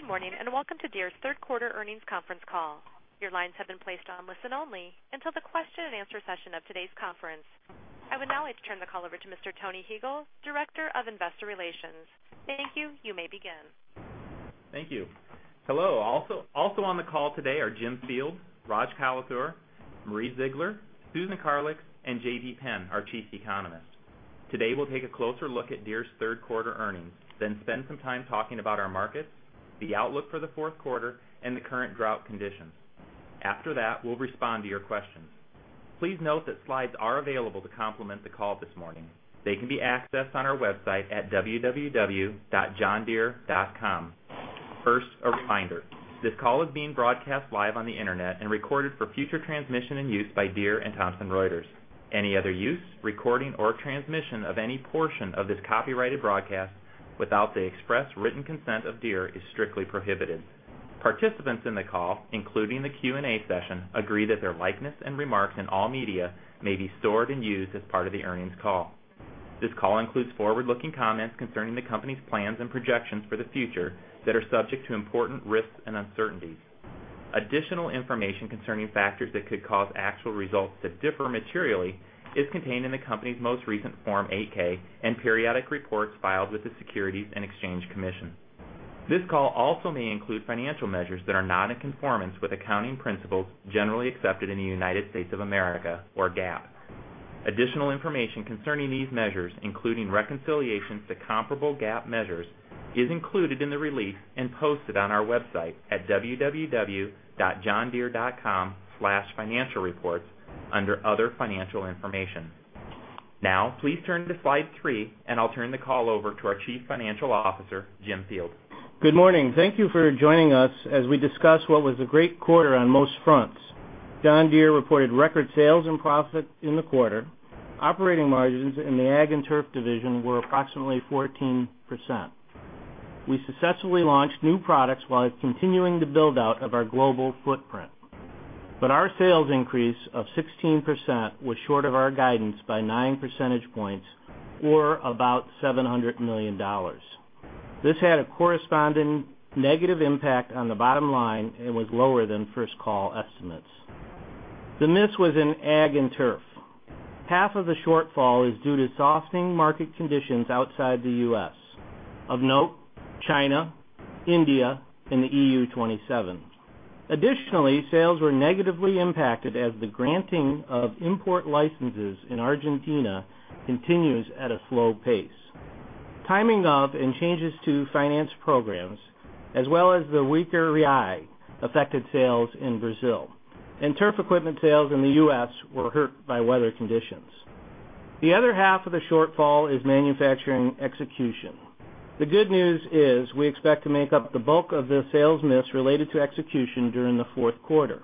Good morning. Welcome to Deere's third quarter earnings conference call. Your lines have been placed on listen only until the question-and-answer session of today's conference. I would now like to turn the call over to Mr. Tony Huegel, Director of Investor Relations. Thank you. You may begin. Thank you. Hello. Also on the call today are Jim Field, Raj Kalathur, Marie Ziegler, Susan Karlix, and J.B. Penn, our Chief Economist. Today, we'll take a closer look at Deere's third quarter earnings, then spend some time talking about our markets, the outlook for the fourth quarter, and the current drought conditions. After that, we'll respond to your questions. Please note that slides are available to complement the call this morning. They can be accessed on our website at johndeere.com. First, a reminder. This call is being broadcast live on the Internet and recorded for future transmission and use by Deere and Thomson Reuters. Any other use, recording, or transmission of any portion of this copyrighted broadcast without the express written consent of Deere is strictly prohibited. Participants in the call, including the Q&A session, agree that their likeness and remarks in all media may be stored and used as part of the earnings call. This call includes forward-looking comments concerning the company's plans and projections for the future that are subject to important risks and uncertainties. Additional information concerning factors that could cause actual results to differ materially is contained in the company's most recent Form 8-K and periodic reports filed with the Securities and Exchange Commission. This call also may include financial measures that are not in conformance with accounting principles generally accepted in the United States of America or GAAP. Additional information concerning these measures, including reconciliations to comparable GAAP measures, is included in the release and posted on our website at johndeere.com/financialreports under Other Financial Information. Please turn to Slide three, I'll turn the call over to our Chief Financial Officer, Jim Field. Good morning. Thank you for joining us as we discuss what was a great quarter on most fronts. John Deere reported record sales and profit in the quarter. Operating margins in the Agriculture & Turf division were approximately 14%. We successfully launched new products while continuing the build-out of our global footprint. Our sales increase of 16% was short of our guidance by nine percentage points or about $700 million. This had a corresponding negative impact on the bottom line and was lower than first call estimates. The miss was in Agriculture & Turf. Half of the shortfall is due to softening market conditions outside the U.S. Of note, China, India, and the EU 27. Sales were negatively impacted as the granting of import licenses in Argentina continues at a slow pace. Timing of and changes to finance programs, as well as the weaker BRL, affected sales in Brazil. Turf equipment sales in the U.S. were hurt by weather conditions. The other half of the shortfall is manufacturing execution. The good news is we expect to make up the bulk of the sales miss related to execution during the fourth quarter.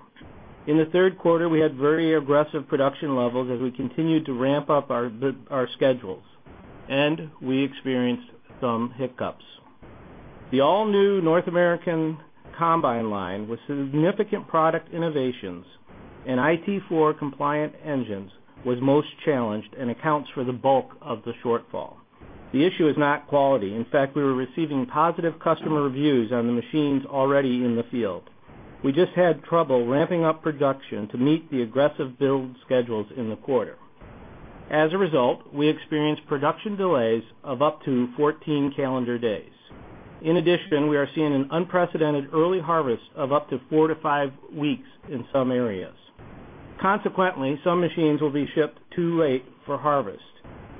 In the third quarter, we had very aggressive production levels as we continued to ramp up our schedules, we experienced some hiccups. The all-new North American Combine line with significant product innovations and IT4 compliant engines was most challenged and accounts for the bulk of the shortfall. The issue is not quality. We were receiving positive customer reviews on the machines already in the field. We just had trouble ramping up production to meet the aggressive build schedules in the quarter. We experienced production delays of up to 14 calendar days. We are seeing an unprecedented early harvest of up to four to five weeks in some areas. Consequently, some machines will be shipped too late for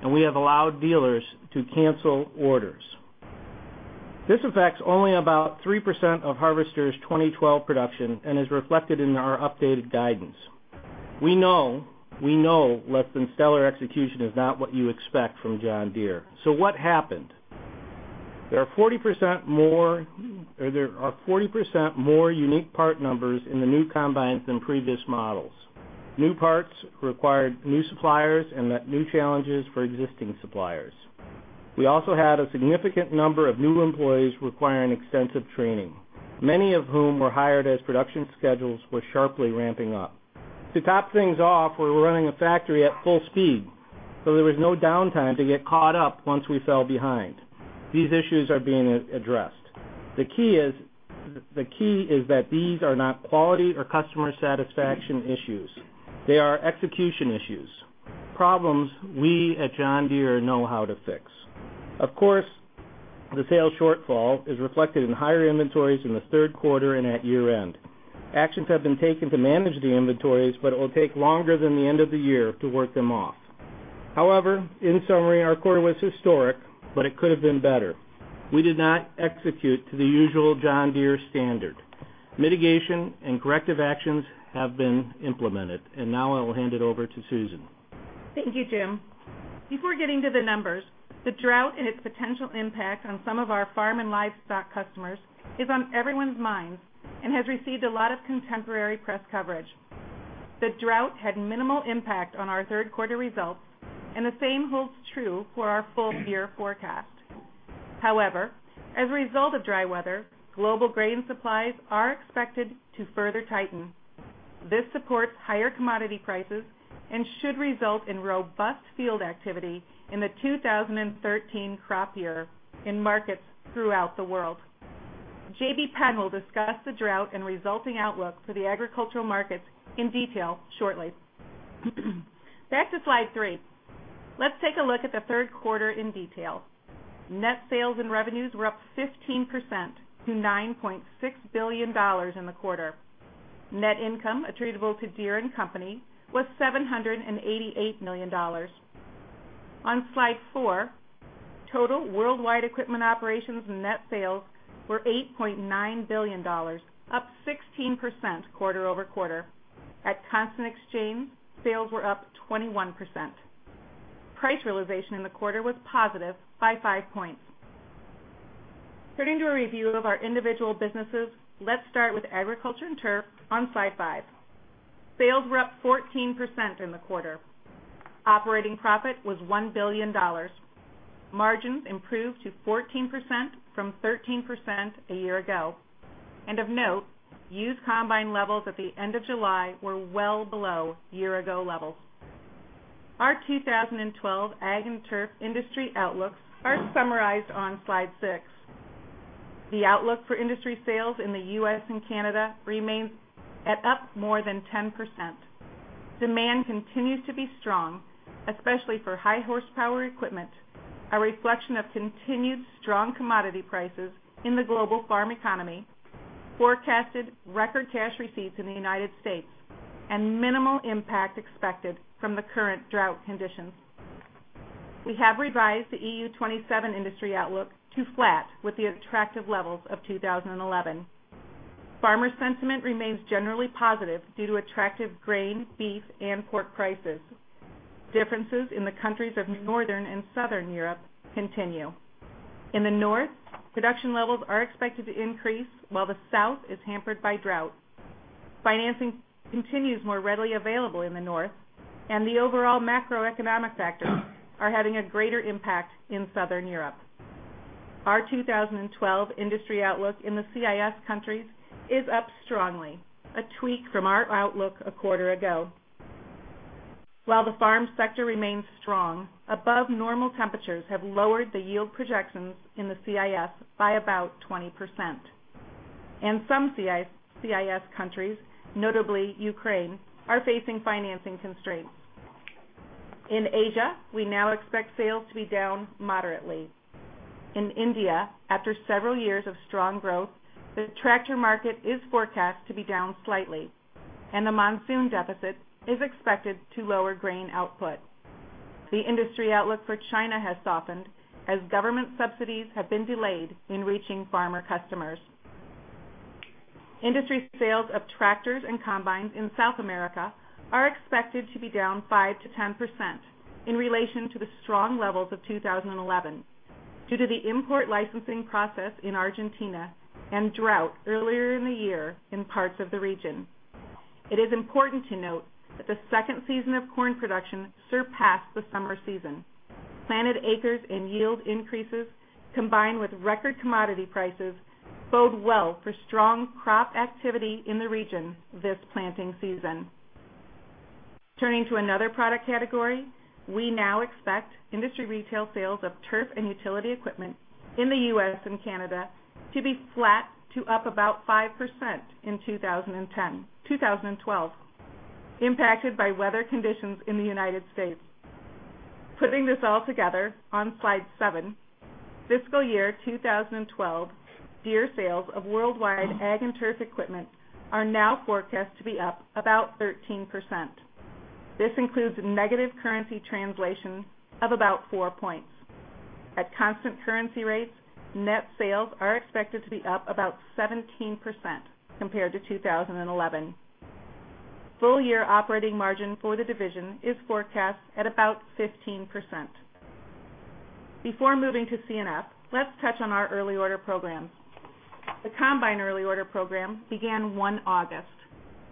harvest, we have allowed dealers to cancel orders. This affects only about 3% of Harvester's 2012 production and is reflected in our updated guidance. We know less than stellar execution is not what you expect from John Deere. What happened? There are 40% more unique part numbers in the new Combines than previous models. New parts required new suppliers and new challenges for existing suppliers. We had a significant number of new employees requiring extensive training, many of whom were hired as production schedules were sharply ramping up. We were running a factory at full speed, there was no downtime to get caught up once we fell behind. These issues are being addressed. The key is that these are not quality or customer satisfaction issues. They are execution issues, problems we at John Deere know how to fix. The sales shortfall is reflected in higher inventories in the third quarter and at year-end. Actions have been taken to manage the inventories, it will take longer than the end of the year to work them off. In summary, our quarter was historic, it could have been better. We did not execute to the usual John Deere standard. Mitigation and corrective actions have been implemented, now I will hand it over to Susan. Thank you, Jim. Before getting to the numbers, the drought and its potential impact on some of our farm and livestock customers is on everyone's minds and has received a lot of contemporary press coverage. The drought had minimal impact on our third quarter results, and the same holds true for our full year forecast. However, as a result of dry weather, global grain supplies are expected to further tighten. This supports higher commodity prices and should result in robust field activity in the 2013 crop year in markets throughout the world. J.B. Penn will discuss the drought and resulting outlook for the agricultural markets in detail shortly. Back to Slide 3. Let's take a look at the third quarter in detail. Net sales and revenues were up 15% to $9.6 billion in the quarter. Net income attributable to Deere & Company was $788 million. On Slide 4, total worldwide equipment operations net sales were $8.9 billion, up 16% quarter-over-quarter. At constant exchange, sales were up 21%. Price realization in the quarter was positive by five points. Turning to a review of our individual businesses, let's start with Agriculture & Turf on Slide 5. Sales were up 14% in the quarter. Operating profit was $1 billion. Margins improved to 14% from 13% a year ago. Of note, used Combine levels at the end of July were well below year-ago levels. Our 2012 Agriculture & Turf industry outlooks are summarized on Slide 6. The outlook for industry sales in the U.S. and Canada remains at up more than 10%. Demand continues to be strong, especially for high horsepower equipment, a reflection of continued strong commodity prices in the global farm economy, forecasted record cash receipts in the United States, and minimal impact expected from the current drought conditions. We have revised the EU27 industry outlook to flat with the attractive levels of 2011. Farmer sentiment remains generally positive due to attractive grain, beef, and pork prices. Differences in the countries of Northern and Southern Europe continue. In the north, production levels are expected to increase while the south is hampered by drought. Financing continues more readily available in the north, the overall macroeconomic factors are having a greater impact in Southern Europe. Our 2012 industry outlook in the CIS countries is up strongly, a tweak from our outlook a quarter ago. While the farm sector remains strong, above normal temperatures have lowered the yield projections in the CIS by about 20%. Some CIS countries, notably Ukraine, are facing financing constraints. In Asia, we now expect sales to be down moderately. In India, after several years of strong growth, the Tractor market is forecast to be down slightly, and the monsoon deficit is expected to lower grain output. The industry outlook for China has softened as government subsidies have been delayed in reaching farmer customers. Industry sales of tractors and combines in South America are expected to be down 5%-10% in relation to the strong levels of 2011 due to the import licensing process in Argentina and drought earlier in the year in parts of the region. It is important to note that the second season of corn production surpassed the summer season. Planted acres and yield increases, combined with record commodity prices, bode well for strong crop activity in the region this planting season. Turning to another product category, we now expect industry retail sales of turf and utility equipment in the U.S. and Canada to be flat to up about 5% in 2012, impacted by weather conditions in the U.S. Putting this all together on Slide seven, fiscal year 2012 Deere sales of worldwide Agriculture & Turf equipment are now forecast to be up about 13%. This includes negative currency translation of about four points. At constant currency rates, net sales are expected to be up about 17% compared to 2011. Full-year operating margin for the division is forecast at about 15%. Before moving to C&F, let's touch on our early order programs. The combine early order program began 1 August.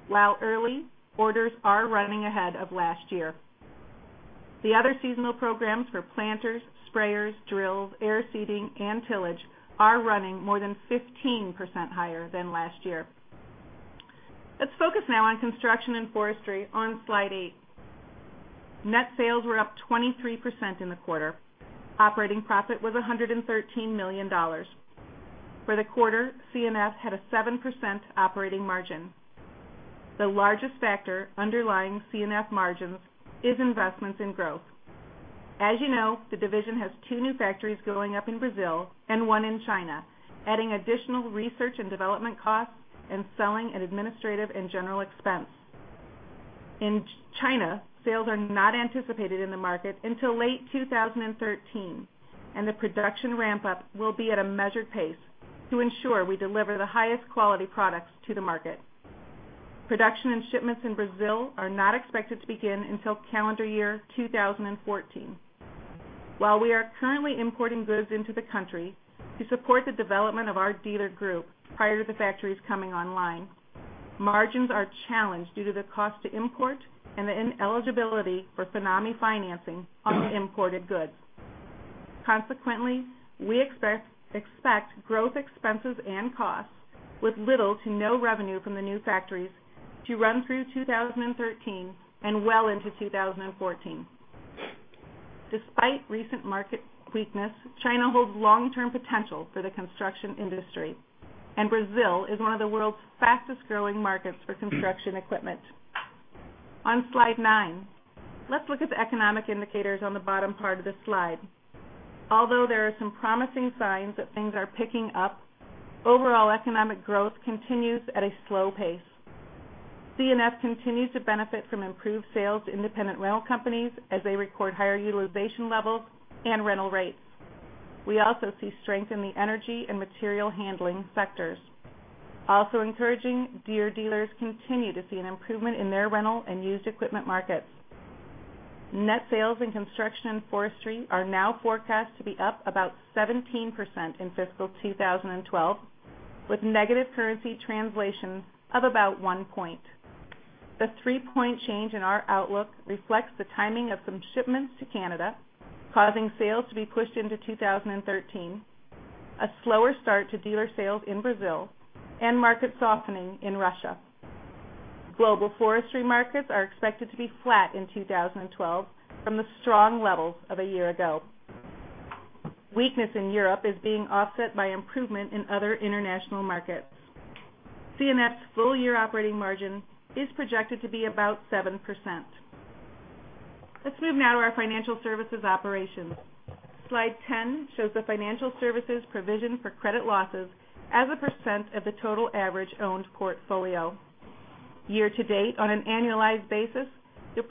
While early orders are running ahead of last year. The other seasonal programs for planters, sprayers, drills, air seeding, and tillage are running more than 15% higher than last year. Let's focus now on Construction & Forestry on Slide eight. Net sales were up 23% in the quarter. Operating profit was $113 million. For the quarter, C&F had a 7% operating margin. The largest factor underlying C&F margins is investments in growth. As you know, the division has two new factories going up in Brazil and one in China, adding additional R&D costs and selling and administrative and general expense. In China, sales are not anticipated in the market until late 2013, and the production ramp-up will be at a measured pace to ensure we deliver the highest quality products to the market. Production and shipments in Brazil are not expected to begin until calendar year 2014. While we are currently importing goods into the country to support the development of our dealer group prior to the factories coming online, margins are challenged due to the cost to import and the ineligibility for FINAME financing on the imported goods. Consequently, we expect growth expenses and costs with little to no revenue from the new factories to run through 2013 and well into 2014. Despite recent market weakness, China holds long-term potential for the construction industry, and Brazil is one of the world's fastest-growing markets for construction equipment. On Slide nine, let's look at the economic indicators on the bottom part of the slide. Although there are some promising signs that things are picking up, overall economic growth continues at a slow pace. C&F continues to benefit from improved sales to independent rental companies as they record higher utilization levels and rental rates. We also see strength in the energy and material handling sectors. Also encouraging, Deere dealers continue to see an improvement in their rental and used equipment markets. Net sales in Construction & Forestry are now forecast to be up about 17% in fiscal 2012, with negative currency translation of about one point. The three-point change in our outlook reflects the timing of some shipments to Canada, causing sales to be pushed into 2013, a slower start to dealer sales in Brazil, and market softening in Russia. Global forestry markets are expected to be flat in 2012 from the strong levels of a year ago. Weakness in Europe is being offset by improvement in other international markets. C&F's full-year operating margin is projected to be about 7%. Let's move now to our financial services operations. Slide 10 shows the financial services provision for credit losses as a percent of the total average owned portfolio. Year-to-date, on an annualized basis, the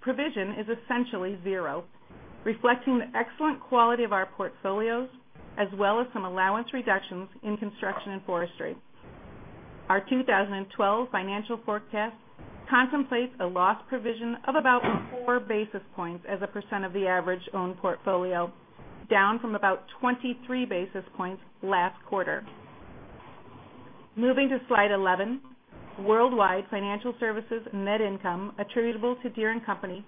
provision is essentially zero, reflecting the excellent quality of our portfolios, as well as some allowance reductions in construction and forestry. Our 2012 financial forecast contemplates a loss provision of about four basis points as a percent of the average owned portfolio, down from about 23 basis points last quarter. Moving to Slide 11, worldwide financial services net income attributable to Deere & Company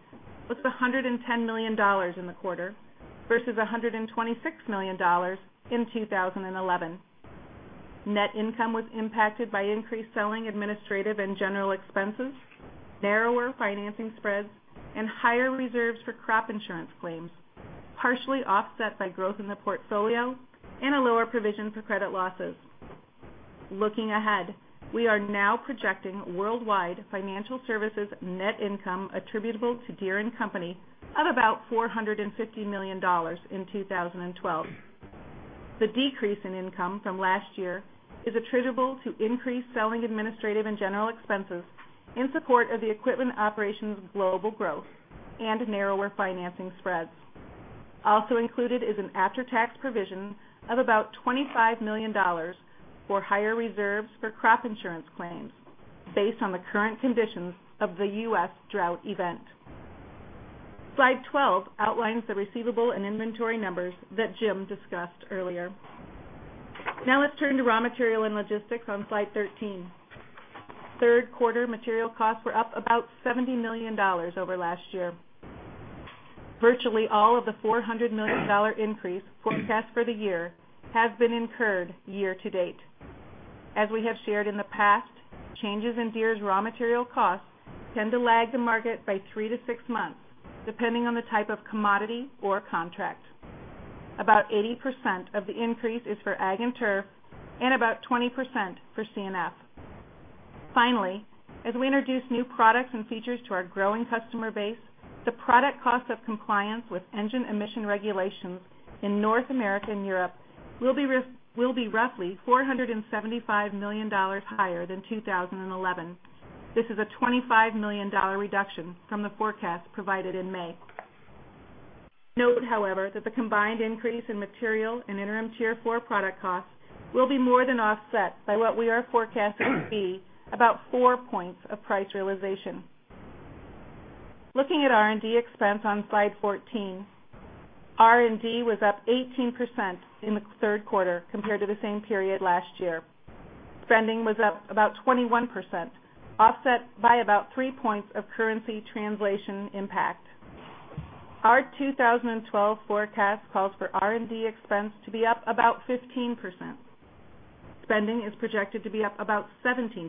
was $110 million in the quarter versus $126 million in 2011. Net income was impacted by increased selling, administrative, and general expenses, narrower financing spreads, and higher reserves for crop insurance claims, partially offset by growth in the portfolio and a lower provision for credit losses. Looking ahead, we are now projecting worldwide financial services net income attributable to Deere & Company of about $450 million in 2012. The decrease in income from last year is attributable to increased selling, administrative, and general expenses in support of the equipment operations global growth and narrower financing spreads. Included is an after-tax provision of about $25 million for higher reserves for crop insurance claims based on the current conditions of the U.S. drought event. Slide 12 outlines the receivable and inventory numbers that Jim discussed earlier. Now let's turn to raw material and logistics on Slide 13. Third quarter material costs were up about $70 million over last year. Virtually all of the $400 million increase forecast for the year has been incurred year-to-date. As we have shared in the past, changes in Deere's raw material costs tend to lag the market by three to six months, depending on the type of commodity or contract. About 80% of the increase is for ag and turf and about 20% for C&F. As we introduce new products and features to our growing customer base, the product cost of compliance with engine emission regulations in North America and Europe will be roughly $475 million higher than 2011. This is a $25 million reduction from the forecast provided in May. Note, however, that the combined increase in material and Interim Tier 4 product costs will be more than offset by what we are forecasting to be about four points of price realization. Looking at R&D expense on Slide 14, R&D was up 18% in the third quarter compared to the same period last year. Spending was up about 21%, offset by about three points of currency translation impact. Our 2012 forecast calls for R&D expense to be up about 15%. Spending is projected to be up about 17%,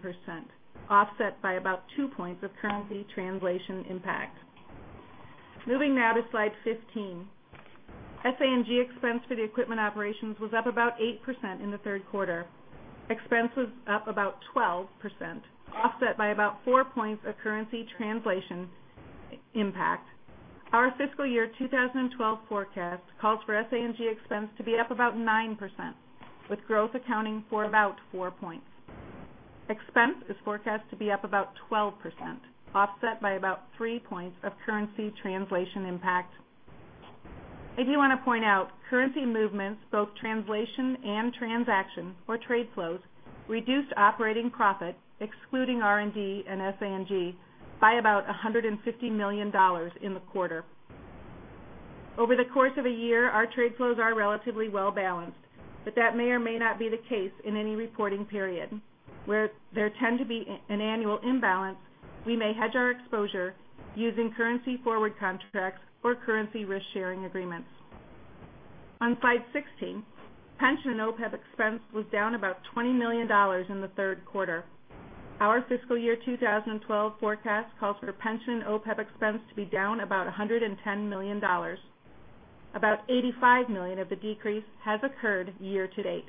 offset by about two points of currency translation impact. Moving now to Slide 15. SG&A expense for the equipment operations was up about 8% in the third quarter. Expense was up about 12%, offset by about four points of currency translation impact. Our fiscal year 2012 forecast calls for SG&A expense to be up about 9%, with growth accounting for about four points. Expense is forecast to be up about 12%, offset by about three points of currency translation impact. I do want to point out currency movements, both translation and transaction or trade flows, reduced operating profit, excluding R&D and SG&A, by about $150 million in the quarter. Over the course of a year, our trade flows are relatively well-balanced. But that may or may not be the case in any reporting period. Where there tend to be an annual imbalance, we may hedge our exposure using currency forward contracts or currency risk-sharing agreements. On slide 16, pension OPEB expense was down about $20 million in the third quarter. Our fiscal year 2012 forecast calls for pension OPEB expense to be down about $110 million. About $85 million of the decrease has occurred year-to-date.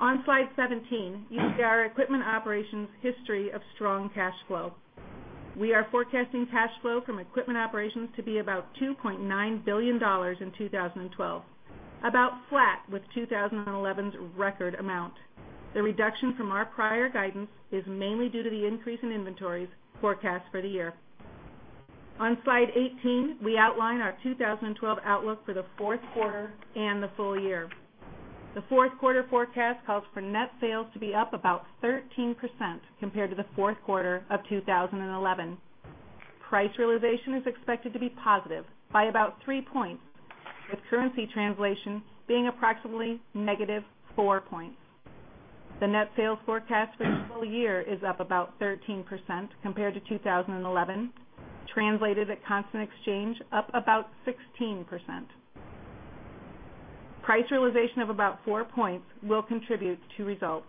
On slide 17, you see our equipment operations history of strong cash flow. We are forecasting cash flow from equipment operations to be about $2.9 billion in 2012, about flat with 2011's record amount. The reduction from our prior guidance is mainly due to the increase in inventories forecast for the year. On slide 18, we outline our 2012 outlook for the fourth quarter and the full year. The fourth quarter forecast calls for net sales to be up about 13% compared to the fourth quarter of 2011. Price realization is expected to be positive by about three points, with currency translation being approximately negative four points. The net sales forecast for the full year is up about 13% compared to 2011, translated at constant exchange, up about 16%. Price realization of about four points will contribute to results.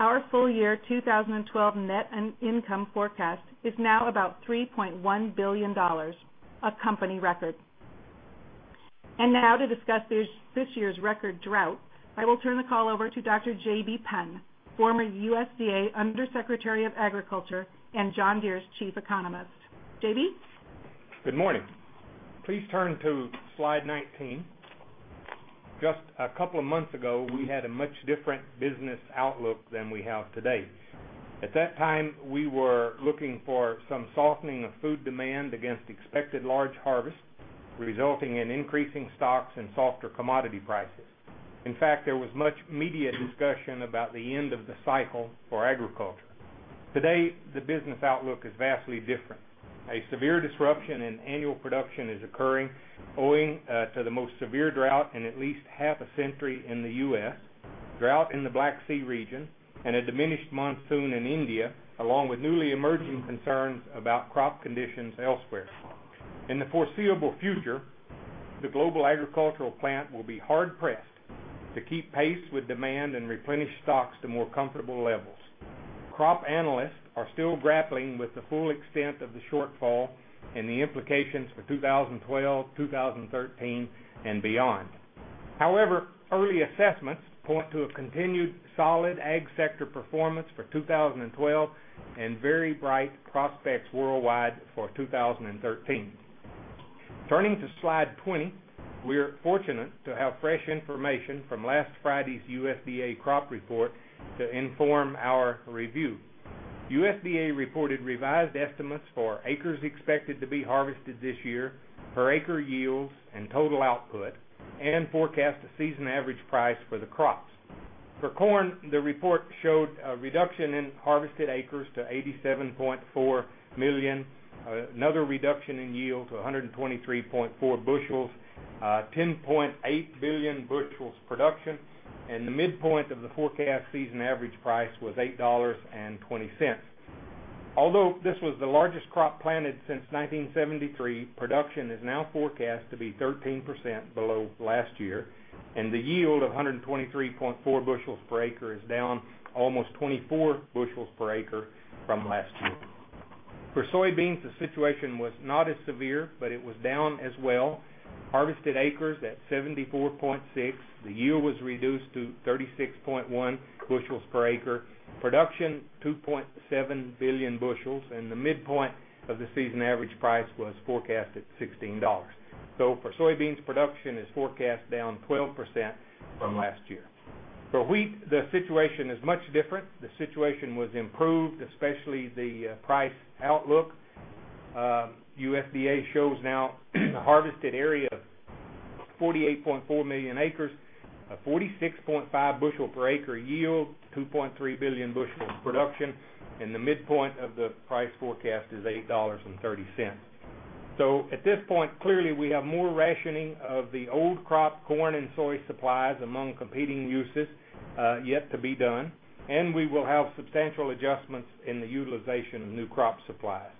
Our full-year 2012 net income forecast is now about $3.1 billion, a company record. Now to discuss this year's record drought, I will turn the call over to Dr. J.B. Penn, former USDA Under Secretary of Agriculture and John Deere's Chief Economist. J.B.? Good morning. Please turn to slide 19. Just a couple of months ago, we had a much different business outlook than we have today. At that time, we were looking for some softening of food demand against expected large harvest, resulting in increasing stocks and softer commodity prices. In fact, there was much media discussion about the end of the cycle for agriculture. Today, the business outlook is vastly different. A severe disruption in annual production is occurring owing to the most severe drought in at least half a century in the U.S., drought in the Black Sea region, and a diminished monsoon in India, along with newly emerging concerns about crop conditions elsewhere. In the foreseeable future, the global agricultural plant will be hard-pressed to keep pace with demand and replenish stocks to more comfortable levels. Crop analysts are still grappling with the full extent of the shortfall and the implications for 2012, 2013, and beyond. However, early assessments point to a continued solid ag sector performance for 2012 and very bright prospects worldwide for 2013. Turning to slide 20, we are fortunate to have fresh information from last Friday's USDA crop report to inform our review. USDA reported revised estimates for acres expected to be harvested this year, per acre yields and total output, and forecast a season average price for the crops. For corn, the report showed a reduction in harvested acres to 87.4 million, another reduction in yield to 123.4 bushels, 10.8 billion bushels production, and the midpoint of the forecast season average price was $8.20. Although this was the largest crop planted since 1973, production is now forecast to be 13% below last year, and the yield of 123.4 bushels per acre is down almost 24 bushels per acre from last year. For soybeans, the situation was not as severe, but it was down as well. Harvested acres at 74.6. The yield was reduced to 36.1 bushels per acre. Production, 2.7 billion bushels, and the midpoint of the season average price was forecast at $16. For soybeans, production is forecast down 12% from last year. For wheat, the situation is much different. The situation was improved, especially the price outlook. USDA shows now a harvested area of 48.4 million acres, a 46.5 bushel per acre yield, 2.3 billion bushels production, and the midpoint of the price forecast is $8.30. At this point, clearly, we have more rationing of the old crop corn and soy supplies among competing uses yet to be done, and we will have substantial adjustments in the utilization of new crop supplies.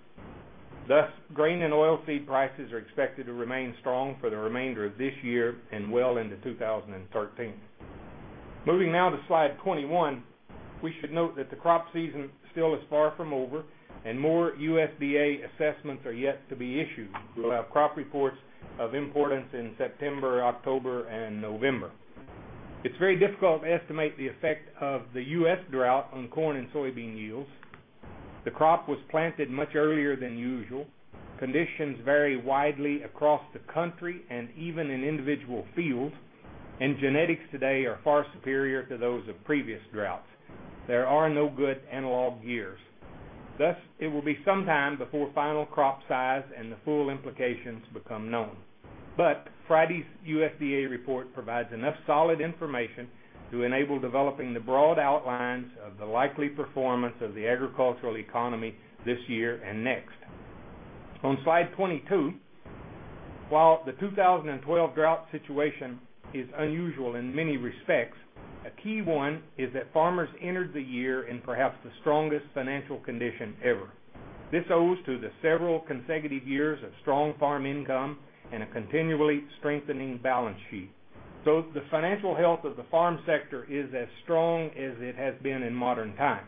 Thus, grain and oil feed prices are expected to remain strong for the remainder of this year and well into 2013. Moving now to slide 21, we should note that the crop season still is far from over, and more USDA assessments are yet to be issued. We will have crop reports of importance in September, October, and November. It is very difficult to estimate the effect of the U.S. drought on corn and soybean yields. The crop was planted much earlier than usual. Conditions vary widely across the country and even in individual fields, and genetics today are far superior to those of previous droughts. There are no good analog years. Thus, it will be sometime before final crop size and the full implications become known. Friday's USDA report provides enough solid information to enable developing the broad outlines of the likely performance of the agricultural economy this year and next. On slide 22, while the 2012 drought situation is unusual in many respects, a key one is that farmers entered the year in perhaps the strongest financial condition ever. This owes to the several consecutive years of strong farm income and a continually strengthening balance sheet. The financial health of the farm sector is as strong as it has been in modern times.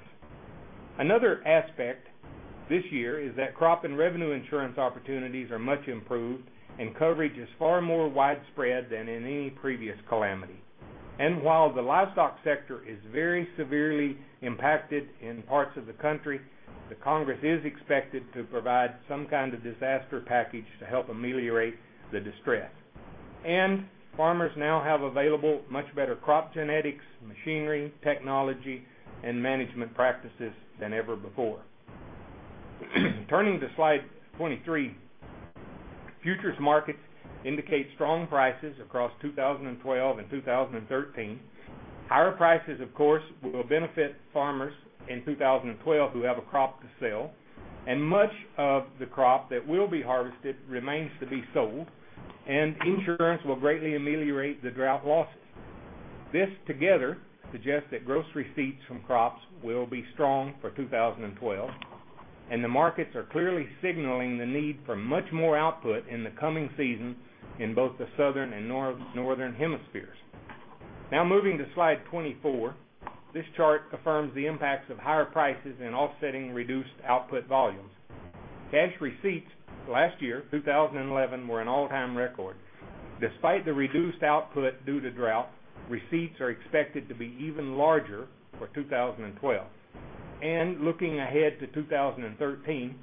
Another aspect this year is that crop and revenue insurance opportunities are much improved, and coverage is far more widespread than in any previous calamity. While the livestock sector is very severely impacted in parts of the country, the Congress is expected to provide some kind of disaster package to help ameliorate the distress. Farmers now have available much better crop genetics, machinery, technology, and management practices than ever before. Turning to slide 23, futures markets indicate strong prices across 2012 and 2013. Higher prices, of course, will benefit farmers in 2012 who have a crop to sell. Much of the crop that will be harvested remains to be sold, and insurance will greatly ameliorate the drought losses. This together suggests that gross receipts from crops will be strong for 2012, and the markets are clearly signaling the need for much more output in the coming season in both the southern and northern hemispheres. Moving to slide 24, this chart affirms the impacts of higher prices and offsetting reduced output volumes. Cash receipts last year, 2011, were an all-time record. Despite the reduced output due to drought, receipts are expected to be even larger for 2012. Looking ahead to 2013,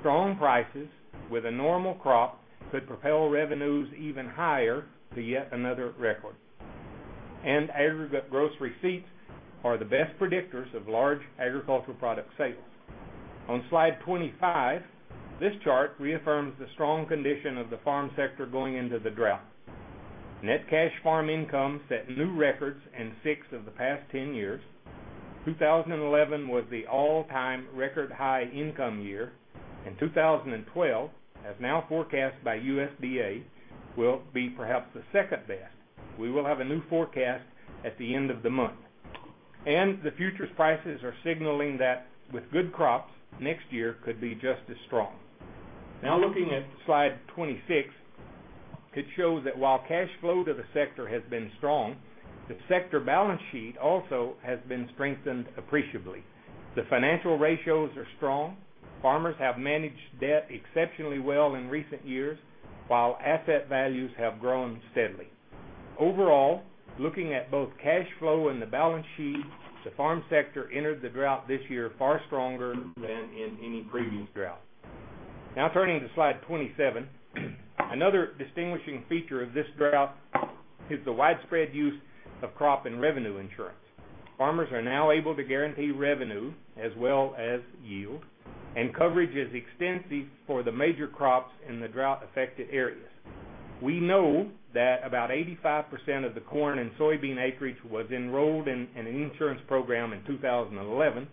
strong prices with a normal crop could propel revenues even higher to yet another record. Aggregate gross receipts are the best predictors of large agricultural product sales. On slide 25, this chart reaffirms the strong condition of the farm sector going into the drought. Net cash farm income set new records in six of the past 10 years. 2011 was the all-time record high income year. 2012, as now forecast by USDA, will be perhaps the second best. We will have a new forecast at the end of the month. The futures prices are signaling that with good crops, next year could be just as strong. Looking at slide 26, it shows that while cash flow to the sector has been strong, the sector balance sheet also has been strengthened appreciably. The financial ratios are strong. Farmers have managed debt exceptionally well in recent years, while asset values have grown steadily. Overall, looking at both cash flow and the balance sheet, the farm sector entered the drought this year far stronger than in any previous drought. Turning to slide 27. Another distinguishing feature of this drought is the widespread use of crop and revenue insurance. Farmers are now able to guarantee revenue as well as yield, and coverage is extensive for the major crops in the drought-affected areas. We know that about 85% of the corn and soybean acreage was enrolled in an insurance program in 2011,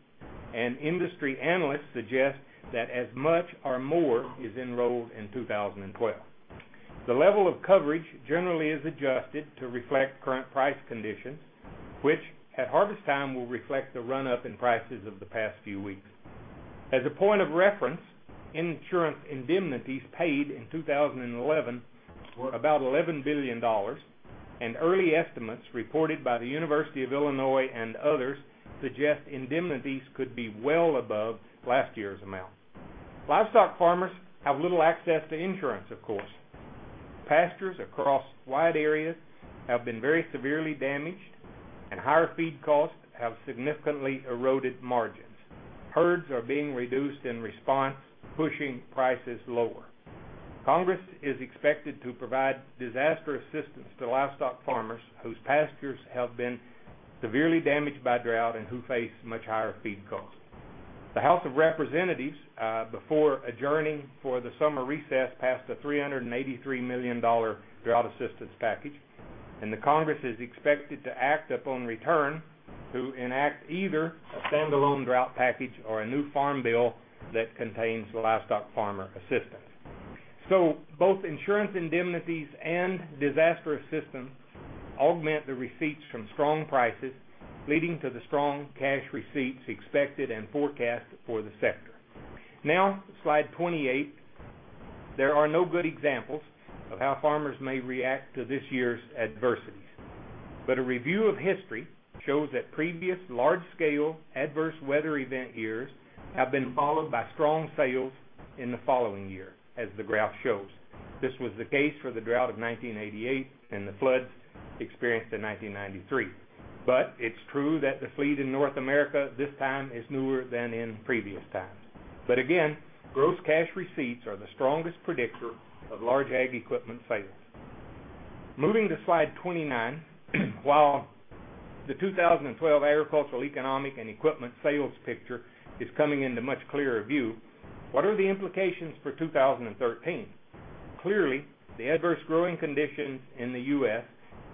and industry analysts suggest that as much or more is enrolled in 2012. The level of coverage generally is adjusted to reflect current price conditions, which at harvest time will reflect the run up in prices of the past few weeks. As a point of reference, insurance indemnities paid in 2011 were about $11 billion, and early estimates reported by the University of Illinois and others suggest indemnities could be well above last year's amount. Livestock farmers have little access to insurance, of course. Pastures across wide areas have been very severely damaged, and higher feed costs have significantly eroded margins. Herds are being reduced in response, pushing prices lower. Congress is expected to provide disaster assistance to livestock farmers whose pastures have been severely damaged by drought and who face much higher feed costs. The House of Representatives, before adjourning for the summer recess, passed a $383 million drought assistance package. The Congress is expected to act upon return to enact either a standalone drought package or a new farm bill that contains livestock farmer assistance. Both insurance indemnities and disaster assistance augment the receipts from strong prices, leading to the strong cash receipts expected and forecast for the sector. Now, slide 28. There are no good examples of how farmers may react to this year's adversities. A review of history shows that previous large-scale adverse weather event years have been followed by strong sales in the following year, as the graph shows. This was the case for the drought of 1988 and the floods experienced in 1993. It's true that the fleet in North America this time is newer than in previous times. Again, gross cash receipts are the strongest predictor of large ag equipment sales. Moving to slide 29, while the 2012 agricultural economic and equipment sales picture is coming into much clearer view, what are the implications for 2013? Clearly, the adverse growing conditions in the U.S.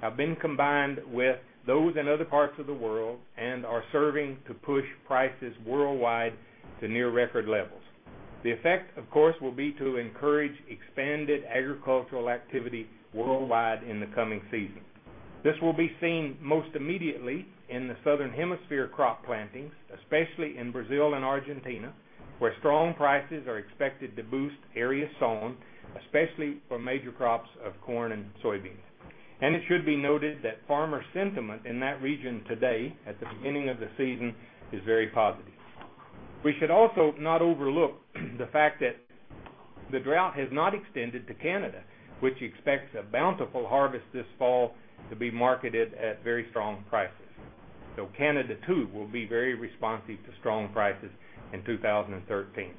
have been combined with those in other parts of the world and are serving to push prices worldwide to near record levels. The effect, of course, will be to encourage expanded agricultural activity worldwide in the coming season. This will be seen most immediately in the southern hemisphere crop plantings, especially in Brazil and Argentina, where strong prices are expected to boost areas sown, especially for major crops of corn and soybeans. It should be noted that farmer sentiment in that region today, at the beginning of the season, is very positive. We should also not overlook the fact that the drought has not extended to Canada, which expects a bountiful harvest this fall to be marketed at very strong prices. Canada, too, will be very responsive to strong prices in 2013.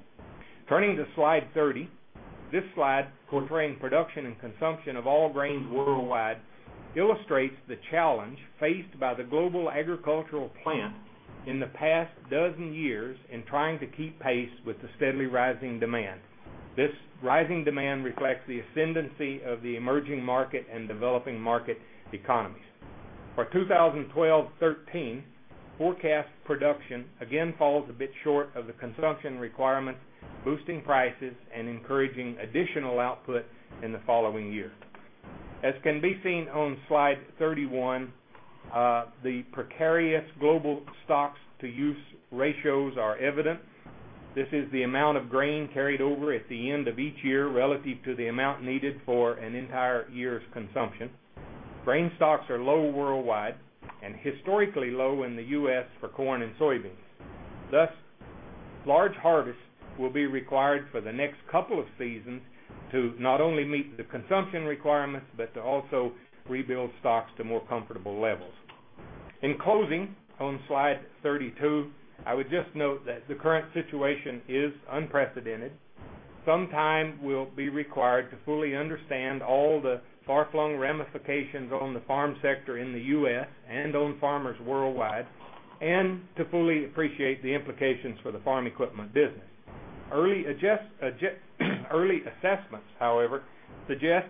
Turning to slide 30. This slide, portraying production and consumption of all grains worldwide, illustrates the challenge faced by the global agricultural plant in the past dozen years in trying to keep pace with the steadily rising demand. This rising demand reflects the ascendancy of the emerging market and developing market economies. For 2012-13, forecast production again falls a bit short of the consumption requirements, boosting prices and encouraging additional output in the following year. As can be seen on slide 31, the precarious global stocks-to-use ratios are evident. This is the amount of grain carried over at the end of each year relative to the amount needed for an entire year's consumption. Grain stocks are low worldwide and historically low in the U.S. for corn and soybeans. Large harvests will be required for the next couple of seasons to not only meet the consumption requirements but to also rebuild stocks to more comfortable levels. In closing, on slide 32, I would just note that the current situation is unprecedented. Some time will be required to fully understand all the far-flung ramifications on the farm sector in the U.S. and on farmers worldwide, and to fully appreciate the implications for the farm equipment business. Early assessments, however, suggest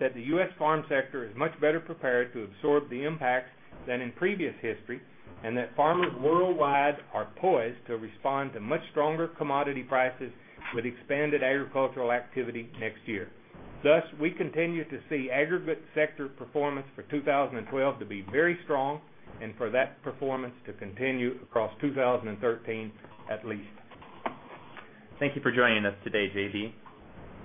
that the U.S. farm sector is much better prepared to absorb the impact than in previous history, and that farmers worldwide are poised to respond to much stronger commodity prices with expanded agricultural activity next year. Thus, we continue to see aggregate sector performance for 2012 to be very strong and for that performance to continue across 2013 at least. Thank you for joining us today, J.B.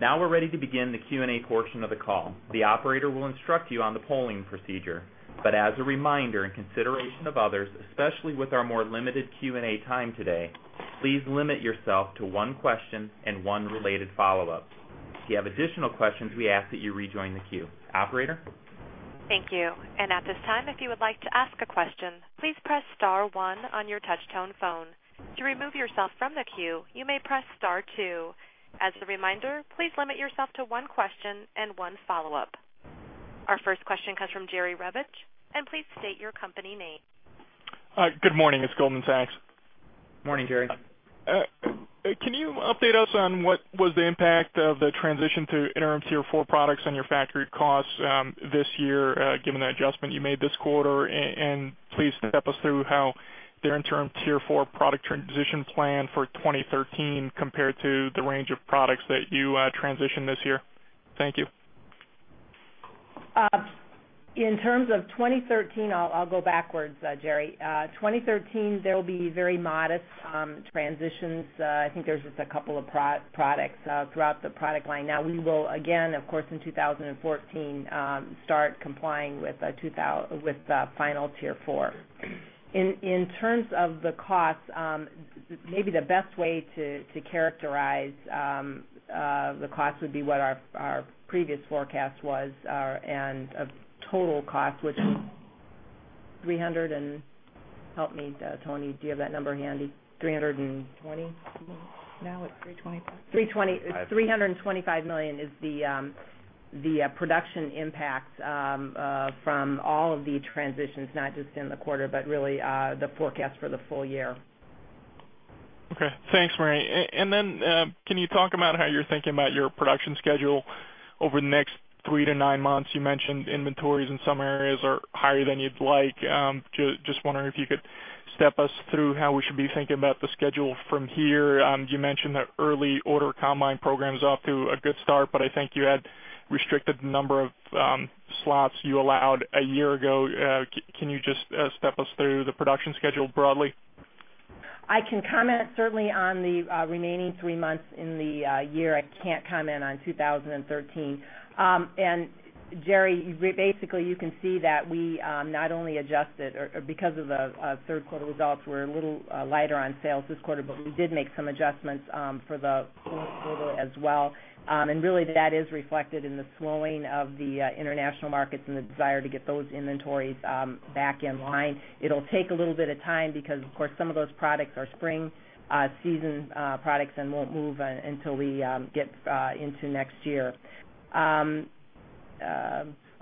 Now we're ready to begin the Q&A portion of the call. The operator will instruct you on the polling procedure. As a reminder, in consideration of others, especially with our more limited Q&A time today, please limit yourself to one question and one related follow-up. If you have additional questions, we ask that you rejoin the queue. Operator? Thank you. At this time, if you would like to ask a question, please press star one on your touch-tone phone. To remove yourself from the queue, you may press star two. As a reminder, please limit yourself to one question and one follow-up. Our first question comes from Jerry Revich, and please state your company name. Hi. Good morning. It's Goldman Sachs. Morning, Jerry. Can you update us on what was the impact of the transition to Interim Tier 4 products on your factory costs this year, given the adjustment you made this quarter? Please step us through how the Interim Tier 4 product transition plan for 2013 compared to the range of products that you transitioned this year. Thank you. In terms of 2013, I'll go backwards, Jerry. 2013, there will be very modest transitions. I think there's just a couple of products throughout the product line. We will again, of course, in 2014, start complying with the Final Tier 4. In terms of the cost, maybe the best way to characterize the cost would be what our previous forecast was and a total cost, which was $300. Help me, Tony. Do you have that number handy? $320? It's $325. $325 million is the production impact from all of the transitions, not just in the quarter, but really the forecast for the full year. Okay. Thanks, Marie. Then can you talk about how you're thinking about your production schedule over the next three to nine months? You mentioned inventories in some areas are higher than you'd like. Just wondering if you could step us through how we should be thinking about the schedule from here. You mentioned that early order combine program's off to a good start, but I think you had restricted the number of slots you allowed a year ago. Can you just step us through the production schedule broadly? I can comment certainly on the remaining three months in the year. I can't comment on 2013. Jerry, basically, you can see that we not only adjusted or because of the third quarter results, we're a little lighter on sales this quarter, but we did make some adjustments for the full quarter as well. Really that is reflected in the slowing of the international markets and the desire to get those inventories back in line. It'll take a little bit of time because, of course, some of those products are spring season products and won't move until we get into next year. I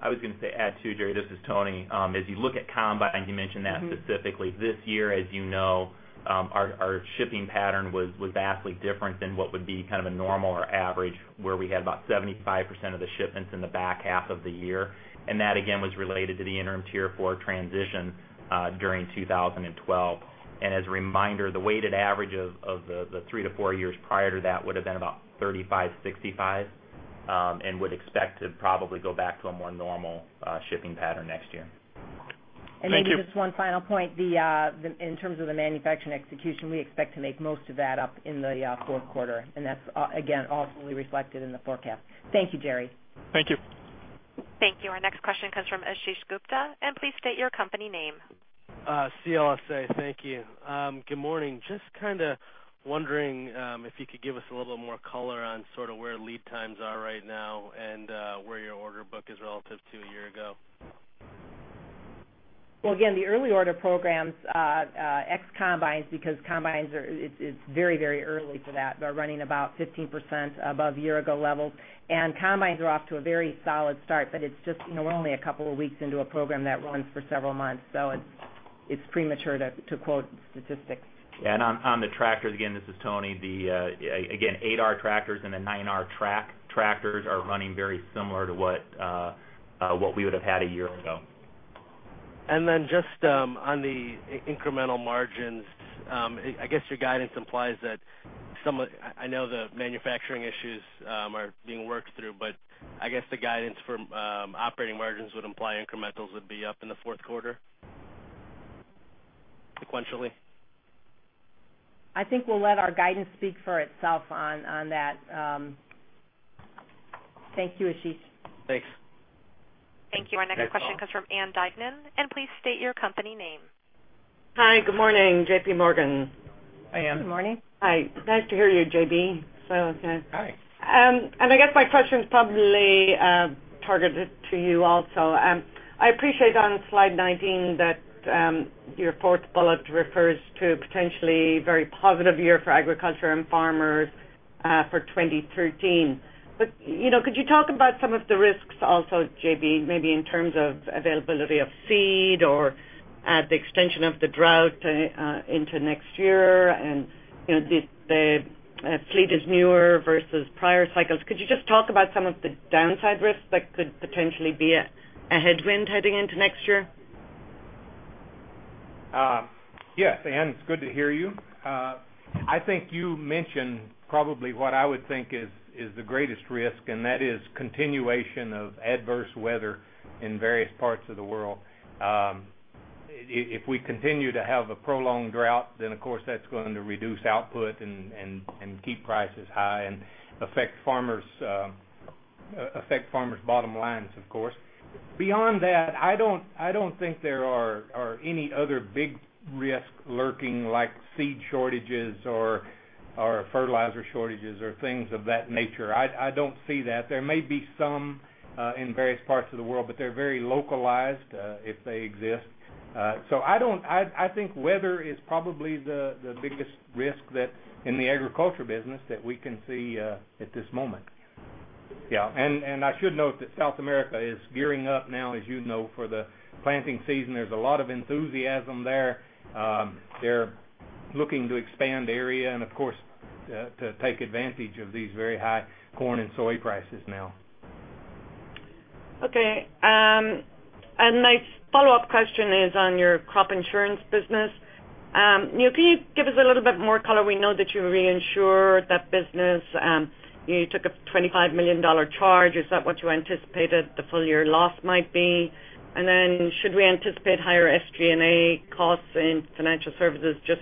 was going to say, add too, Jerry, this is Tony. As you look at combine, you mentioned that specifically. This year, as you know, our shipping pattern was vastly different than what would be kind of a normal or average, where we had about 75% of the shipments in the back half of the year. That, again, was related to the Interim Tier 4 transition during 2012. As a reminder, the weighted average of the three to four years prior to that would have been about 35/65, and would expect to probably go back to a more normal shipping pattern next year. Thank you. Maybe just one final point. In terms of the manufacturing execution, we expect to make most of that up in the fourth quarter, and that's, again, ultimately reflected in the forecast. Thank you, Jerry. Thank you. Thank you. Our next question comes from Ashish Gupta, and please state your company name. CLSA, thank you. Good morning. Just kind of wondering if you could give us a little more color on sort of where lead times are right now and where your order book is relative to a year ago. Well, again, the early order programs, ex-Combines, because Combines, it's very early for that. They're running about 15% above year-ago levels. Combines are off to a very solid start, but we're only a couple of weeks into a program that runs for several months. It's premature to quote statistics. On the Tractors, again, this is Tony. Again, 8R Tractors and the 9R Tractors are running very similar to what we would have had a year ago. Just on the incremental margins. I know the manufacturing issues are being worked through, but I guess the guidance for operating margins would imply incrementals would be up in the fourth quarter sequentially. I think we'll let our guidance speak for itself on that. Thank you, Ashish. Thanks. Thank you. Our next question comes from Ann Duignan. Please state your company name. Hi, good morning. JPMorgan. Hi, Ann. Good morning. Hi. Nice to hear you, J.B. Hi. I guess my question's probably targeted to you also. I appreciate on slide 19 that your fourth bullet refers to potentially very positive year for agriculture and farmers for 2013. Could you talk about some of the risks also, J.B., maybe in terms of availability of seed or the extension of the drought into next year and the fleet is newer versus prior cycles. Could you just talk about some of the downside risks that could potentially be a headwind heading into next year? Yes, Ann, it's good to hear you. I think you mentioned probably what I would think is the greatest risk, that is continuation of adverse weather in various parts of the world. If we continue to have a prolonged drought, then of course that's going to reduce output and keep prices high and affect farmers' bottom lines, of course. Beyond that, I don't think there are any other big risks lurking like seed shortages or fertilizer shortages or things of that nature. I don't see that. There may be some in various parts of the world, but they're very localized if they exist. I think weather is probably the biggest risk in the agriculture business that we can see at this moment. Yeah. I should note that South America is gearing up now, as you know, for the planting season. There's a lot of enthusiasm there. They're looking to expand area and of course, to take advantage of these very high corn and soy prices now. Okay. A nice follow-up question is on your crop insurance business. Can you give us a little bit more color? We know that you reinsure that business. You took a $25 million charge. Is that what you anticipated the full year loss might be? Should we anticipate higher SG&A costs in financial services just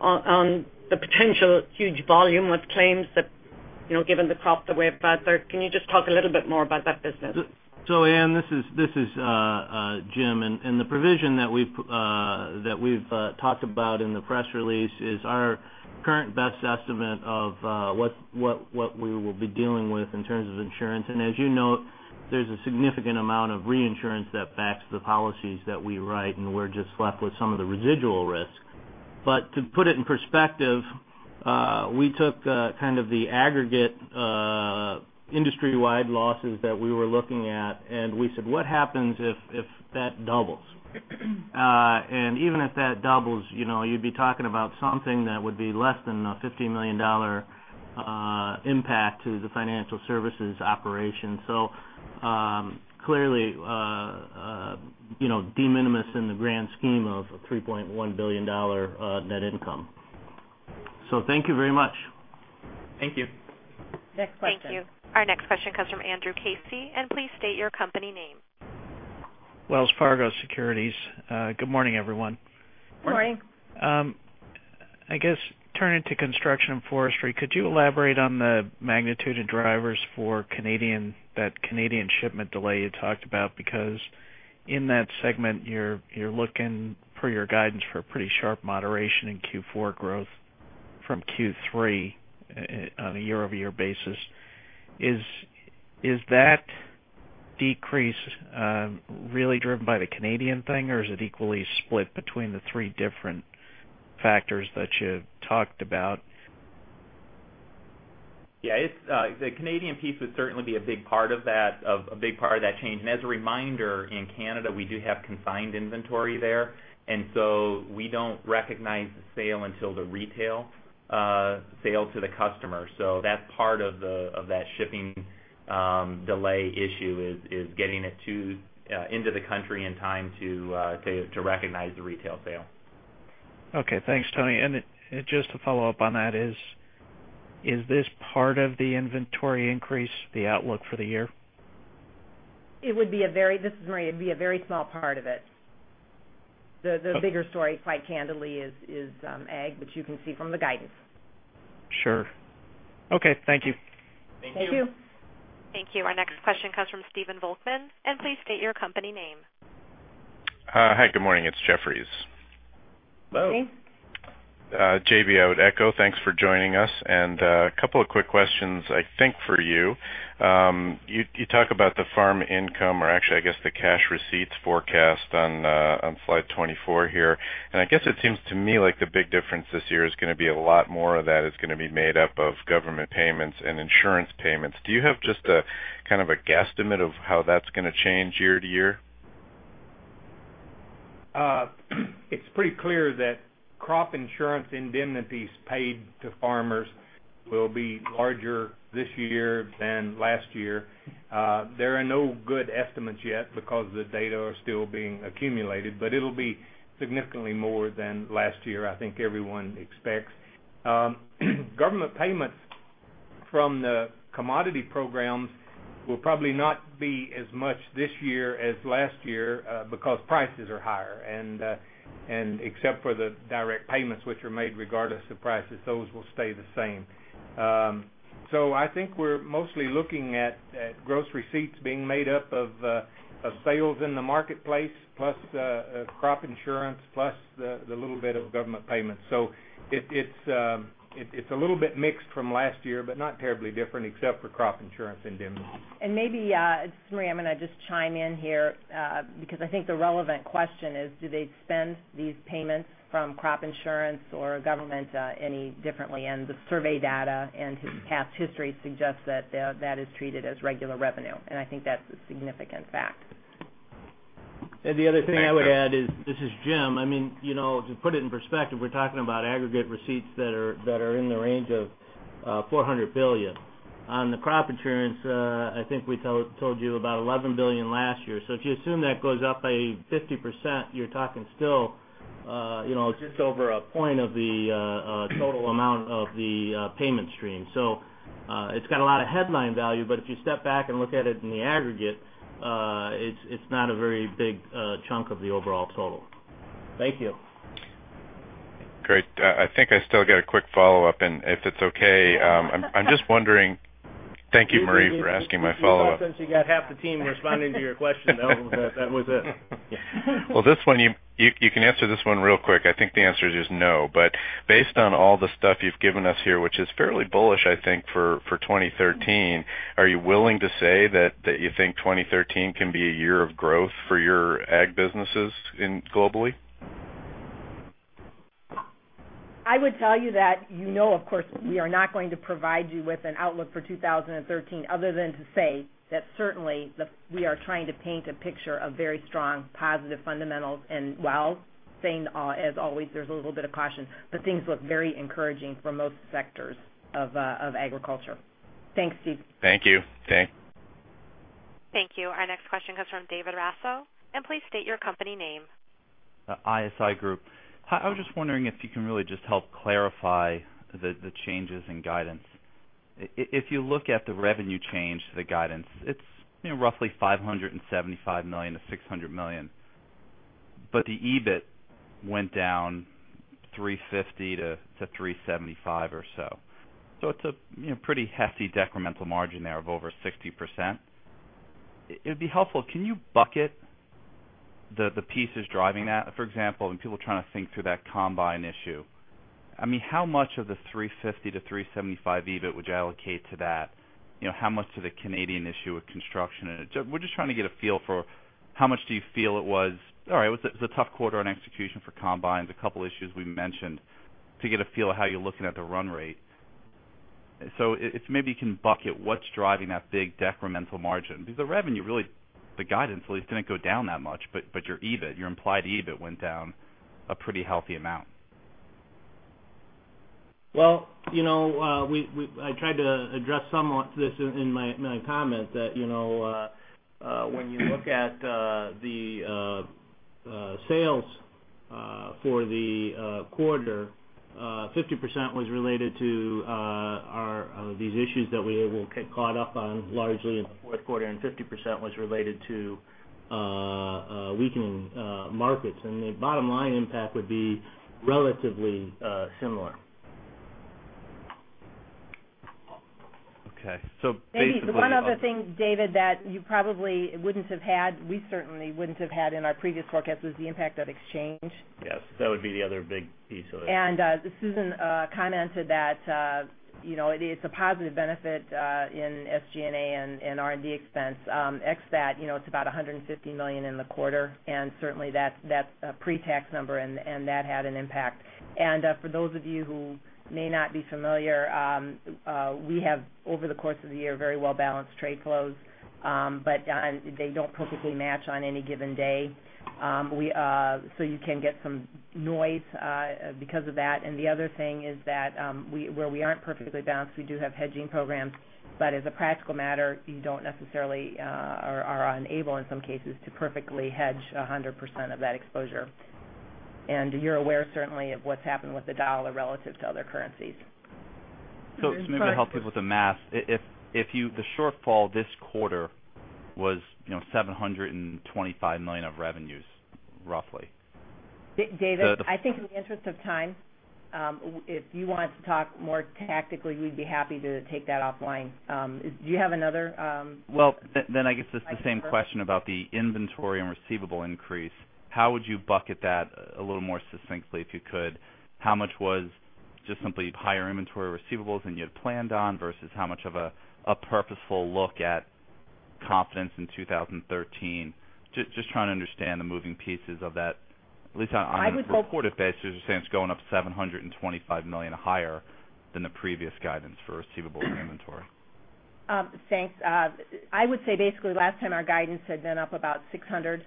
on the potential huge volume of claims that, given the crop the way it was, can you just talk a little bit more about that business? Ann, this is Jim. The provision that we've talked about in the press release is our current best estimate of what we will be dealing with in terms of insurance. As you note, there's a significant amount of reinsurance that backs the policies that we write, and we're just left with some of the residual risk. To put it in perspective, we took kind of the aggregate industry-wide losses that we were looking at, and we said, "What happens if that doubles?" Even if that doubles, you'd be talking about something that would be less than a $50 million impact to the financial services operation. Clearly, de minimis in the grand scheme of a $3.1 billion net income. Thank you very much. Thank you. Next question. Thank you. Our next question comes from Andrew Casey. Please state your company name. Wells Fargo Securities. Good morning, everyone. Good morning. I guess turning to Construction & Forestry, could you elaborate on the magnitude and drivers for that Canadian shipment delay you talked about? Because in that segment, you're looking for your guidance for a pretty sharp moderation in Q4 growth from Q3 on a year-over-year basis. Is that decrease really driven by the Canadian thing, or is it equally split between the three different factors that you talked about? Yeah. The Canadian piece would certainly be a big part of that change. As a reminder, in Canada, we do have confined inventory there, and so we don't recognize the sale until the retail sale to the customer. That's part of that shipping delay issue is getting it into the country in time to recognize the retail sale. Okay. Thanks, Tony. Just to follow up on that, is this part of the inventory increase the outlook for the year? This is Marie. It'd be a very small part of it. The bigger story, quite candidly, is Ag, which you can see from the guidance. Sure. Okay. Thank you. Thank you. Thank you. Thank you. Our next question comes from Stephen Volkmann, and please state your company name. Hi. Good morning. It's Jefferies. Steve. J.B. Outecho. Thanks for joining us, a couple of quick questions, I think, for you. You talk about the farm income, or actually, I guess the cash receipts forecast on slide 24 here, and I guess it seems to me like the big difference this year is going to be a lot more of that is going to be made up of government payments and insurance payments. Do you have just a kind of a guesstimate of how that's going to change year-to-year? It's pretty clear that crop insurance indemnities paid to farmers will be larger this year than last year. There are no good estimates yet because the data are still being accumulated, but it'll be significantly more than last year, I think everyone expects. Government payments from the commodity programs will probably not be as much this year as last year because prices are higher. Except for the direct payments, which are made regardless of prices, those will stay the same. I think we're mostly looking at gross receipts being made up of sales in the marketplace, plus crop insurance, plus the little bit of government payments. It's a little bit mixed from last year, but not terribly different except for crop insurance indemnity. Maybe, it's Marie, I'm going to just chime in here because I think the relevant question is, do they spend these payments from crop insurance or government any differently? The survey data and past history suggests that is treated as regular revenue, and I think that's a significant fact. The other thing I would add is this is Jim. To put it in perspective, we're talking about aggregate receipts that are in the range of $400 billion. On the crop insurance, I think we told you about $11 billion last year. If you assume that goes up by 50%, you're talking still just over a point of the total amount of the payment stream. It's got a lot of headline value, but if you step back and look at it in the aggregate, it's not a very big chunk of the overall total. Thank you. Great. I think I still got a quick follow-up, and if it's okay, Thank you, Marie, for asking my follow-up. You got half the team responding to your question, though. That was it. You can answer this one real quick. I think the answer is just no. Based on all the stuff you've given us here, which is fairly bullish, I think, for 2013, are you willing to say that you think 2013 can be a year of growth for your ag businesses globally? I would tell you that you know, of course, we are not going to provide you with an outlook for 2013 other than to say that certainly we are trying to paint a picture of very strong positive fundamentals. While saying, as always, there's a little bit of caution, things look very encouraging for most sectors of agriculture. Thanks, Steve. Thank you. Okay. Thank you. Our next question comes from David Raso, please state your company name. ISI Group. I was just wondering if you can really just help clarify the changes in guidance. If you look at the revenue change, the guidance, it's roughly $575 million-$600 million, the EBIT went down $350 million-$375 million or so. It's a pretty hefty decremental margin there of over 60%. It'd be helpful, can you bucket the pieces driving that? For example, when people are trying to think through that Combines issue, how much of the $350 million-$375 million EBIT would you allocate to that? How much to the Canadian issue of construction? We're just trying to get a feel for how much do you feel All right. It was a tough quarter on execution for Combines, a couple issues we mentioned to get a feel of how you're looking at the run rate. If maybe you can bucket what's driving that big decremental margin, because the revenue really, the guidance at least, didn't go down that much, but your EBIT, your implied EBIT went down a pretty healthy amount. Well, I tried to address somewhat this in my comment that when you look at the sales for the quarter, 50% was related to these issues that we caught up on largely in the fourth quarter, and 50% was related to weakening markets. The bottom line impact would be relatively similar. Okay. Basically. Maybe one of the things, David, that you probably wouldn't have had, we certainly wouldn't have had in our previous forecast, was the impact of exchange. Yes. That would be the other big piece of it. Susan commented that it's a positive benefit in SG&A and R&D expense. Ex that, it's about $150 million in the quarter, and certainly that's a pre-tax number and that had an impact. For those of you who may not be familiar, we have, over the course of the year, very well-balanced trade flows. But they don't perfectly match on any given day. You can get some noise because of that. The other thing is that, where we aren't perfectly balanced, we do have hedging programs. But as a practical matter, you don't necessarily, or are unable, in some cases, to perfectly hedge 100% of that exposure. You're aware, certainly, of what's happened with the dollar relative to other currencies. Just maybe to help people with the math, the shortfall this quarter was $725 million of revenues, roughly. David, I think in the interest of time, if you want to talk more tactically, we'd be happy to take that offline. Well, I guess it's the same question about the inventory and receivable increase. How would you bucket that a little more succinctly, if you could? How much was just simply higher inventory receivables than you had planned on, versus how much of a purposeful look at confidence in 2013? Just trying to understand the moving pieces of that. At least on a reported basis, you're saying it's going up $725 million higher than the previous guidance for receivables and inventory. Thanks. I would say basically last time our guidance had been up about $600 million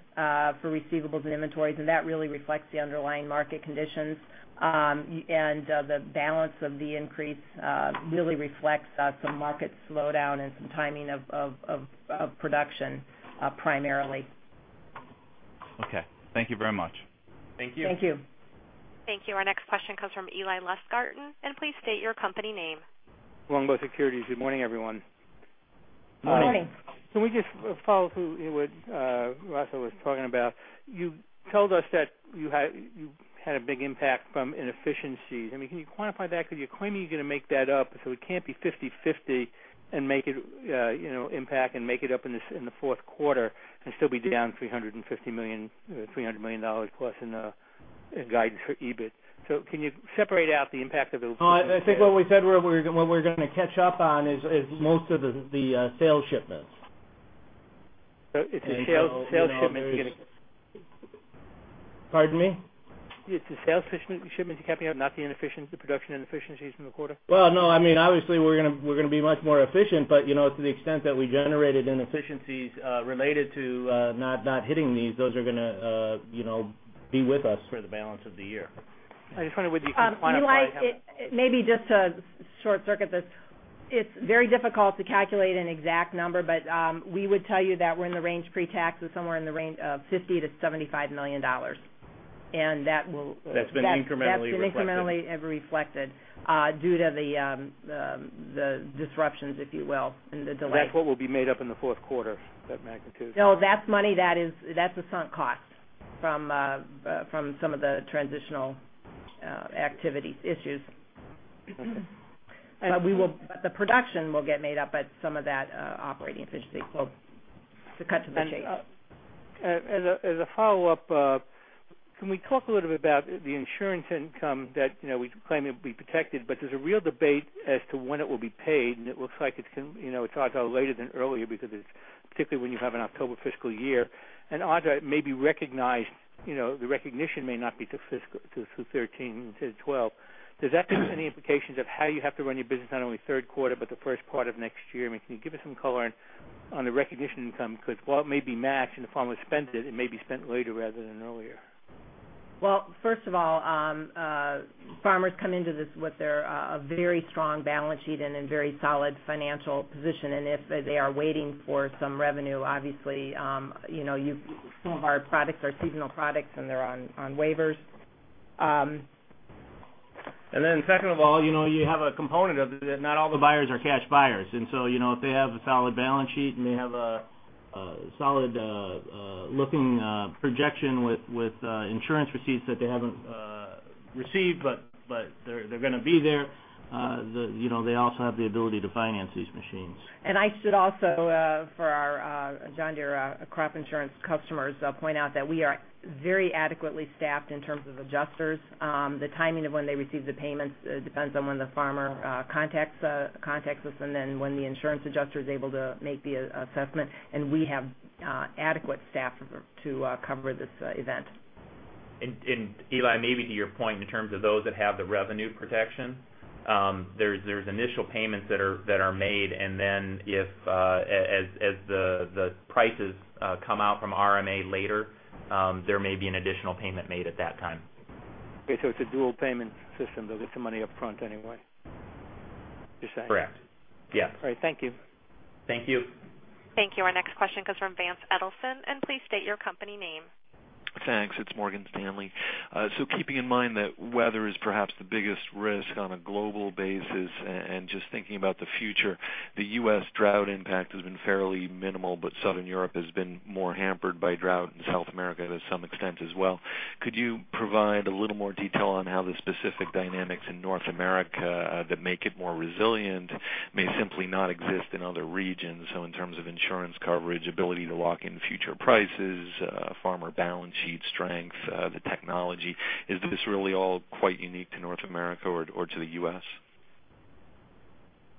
for receivables and inventories, that really reflects the underlying market conditions. The balance of the increase really reflects some market slowdown and some timing of production, primarily. Okay. Thank you very much. Thank you. Thank you. Thank you. Our next question comes from Eli Lustgarten. Please state your company name. Longbow Securities. Good morning, everyone. Good morning. Morning. Can we just follow through what Raso was talking about? You told us that you had a big impact from inefficiencies. Can you quantify that? Because you're claiming you're going to make that up, it can't be 50/50 impact and make it up in the fourth quarter and still be down $350 million, $300 million plus in the guidance for EBIT. Can you separate out the impact of those? I think what we said, what we're going to catch up on is most of the sales shipments. It's the sales shipments you're going to- Pardon me? It's the sales shipments you're counting up, not the production inefficiencies in the quarter? Well, no. Obviously, we're going to be much more efficient. To the extent that we generated inefficiencies related to not hitting these, those are going to be with us for the balance of the year. I just wonder whether you can quantify. Eli, maybe just to short circuit this. It's very difficult to calculate an exact number, we would tell you that we're in the range pre-tax of somewhere in the range of $50 million-$75 million. That will. That's been incrementally reflected. That's been incrementally reflected due to the disruptions, if you will, and the delay. That's what will be made up in the fourth quarter, that magnitude? No, that's money that's a sunk cost from some of the transitional activity issues. The production will get made up by some of that operating efficiency to cut to the chase. As a follow-up, can we talk a little bit about the insurance income that we claim it will be protected, but there's a real debate as to when it will be paid, and it looks like it's going to talk out later than earlier because particularly when you have an October fiscal year. Either it may be recognized, the recognition may not be through 13 to 12. Does that have any implications of how you have to run your business not only third quarter, but the first part of next year? Can you give us some color on the recognition income? While it may be matched and the farmer spends it may be spent later rather than earlier. First of all, farmers come into this with their very strong balance sheet and in very solid financial position. If they are waiting for some revenue, obviously, some of our products are seasonal products, and they're on waivers. Second of all, you have a component of it that not all the buyers are cash buyers. If they have a solid balance sheet and they have a solid-looking projection with insurance receipts that they haven't received, but they're going to be there, they also have the ability to finance these machines. I should also, for our John Deere crop insurance customers, point out that we are very adequately staffed in terms of adjusters. The timing of when they receive the payments depends on when the farmer contacts us and then when the insurance adjuster is able to make the assessment. We have adequate staff to cover this event. Eli, maybe to your point, in terms of those that have the revenue protection, there's initial payments that are made, and then as the prices come out from RMA later, there may be an additional payment made at that time. It's a dual payment system. They'll get some money up front anyway. You're saying? Correct. Yes. All right. Thank you. Thank you. Thank you. Our next question comes from Vance Edelson, and please state your company name. Thanks. It's Morgan Stanley. Keeping in mind that weather is perhaps the biggest risk on a global basis and just thinking about the future, the U.S. drought impact has been fairly minimal, but Southern Europe has been more hampered by drought, and South America to some extent as well. Could you provide a little more detail on how the specific dynamics in North America that make it more resilient may simply not exist in other regions? In terms of insurance coverage, ability to lock in future prices, farmer balance sheet strength, the technology. Is this really all quite unique to North America or to the U.S.?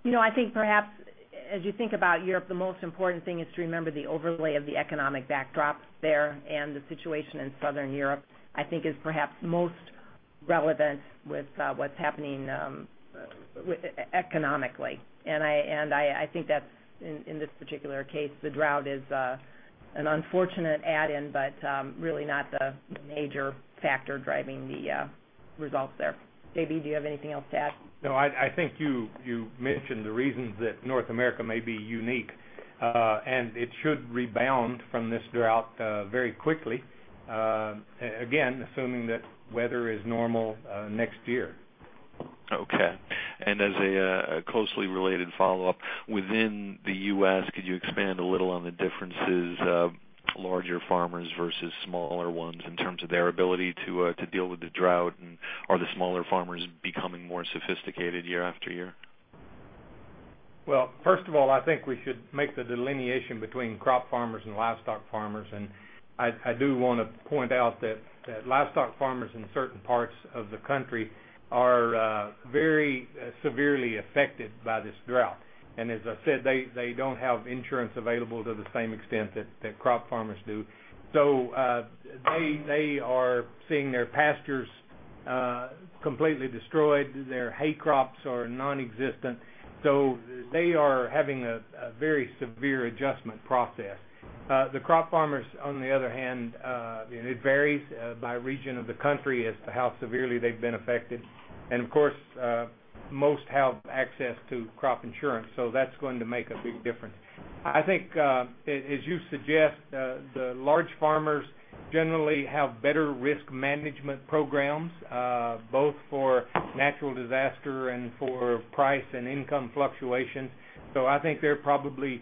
I think perhaps as you think about Europe, the most important thing is to remember the overlay of the economic backdrop there and the situation in Southern Europe, I think is perhaps most relevant with what's happening economically. I think that in this particular case, the drought is an unfortunate add-in, but really not the major factor driving the results there. J.B., do you have anything else to add? No, I think you mentioned the reasons that North America may be unique. It should rebound from this drought very quickly. Again, assuming that weather is normal next year. Okay. As a closely related follow-up, within the U.S., could you expand a little on the differences of larger farmers versus smaller ones in terms of their ability to deal with the drought? Are the smaller farmers becoming more sophisticated year after year? Well, first of all, I think we should make the delineation between crop farmers and livestock farmers. I do want to point out that livestock farmers in certain parts of the country are very severely affected by this drought. As I said, they don't have insurance available to the same extent that crop farmers do. They are seeing their pastures completely destroyed. Their hay crops are nonexistent. They are having a very severe adjustment process. The crop farmers, on the other hand, it varies by region of the country as to how severely they've been affected. Of course, most have access to crop insurance, so that's going to make a big difference. I think as you suggest, the large farmers generally have better risk management programs both for natural disaster and for price and income fluctuation. I think they're probably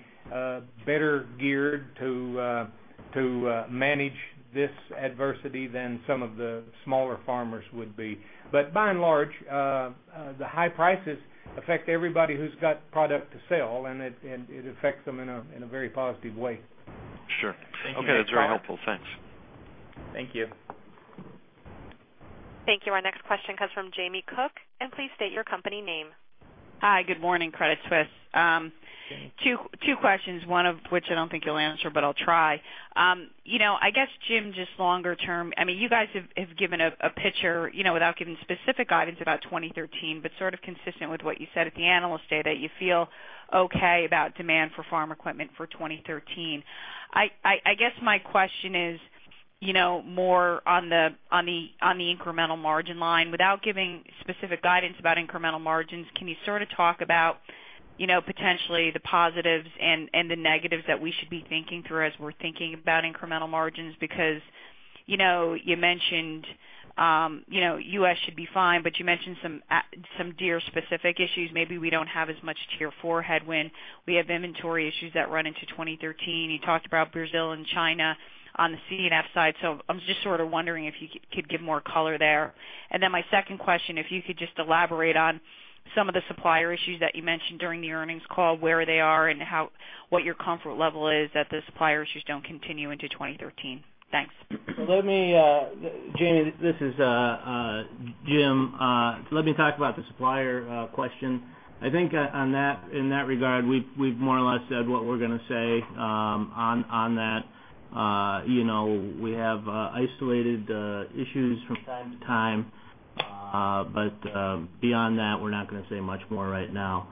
better geared to manage this adversity than some of the smaller farmers would be. By and large the high prices affect everybody who's got product to sell, and it affects them in a very positive way. Sure. Okay. That's very helpful. Thanks. Thank you. Thank you. Our next question comes from Jamie Cook. Please state your company name. Hi, good morning, Credit Suisse. Two questions, one of which I don't think you'll answer. I'll try. I guess, Jim, just longer term, you guys have given a picture without giving specific guidance about 2013. Sort of consistent with what you said at the Analyst Day, you feel okay about demand for farm equipment for 2013. I guess my question is more on the incremental margin line. Without giving specific guidance about incremental margins, can you sort of talk about potentially the positives and the negatives that we should be thinking through as we're thinking about incremental margins? You mentioned U.S. should be fine, but you mentioned some Deere-specific issues. Maybe we don't have as much Tier 4 headwind. We have inventory issues that run into 2013. You talked about Brazil and China on the C&F side. I was just sort of wondering if you could give more color there. My second question, if you could just elaborate on some of the supplier issues that you mentioned during the earnings call, where they are and what your comfort level is that the supplier issues don't continue into 2013. Thanks. Jamie, this is Jim. Let me talk about the supplier question. I think in that regard, we've more or less said what we're going to say on that. We have isolated issues from time to time. Beyond that, we're not going to say much more right now.